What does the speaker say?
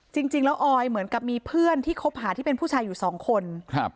จริงแล้วออยเหมือนกับมีเพื่อนที่คบหาที่เป็นผู้ชายอยู่สองคนครับ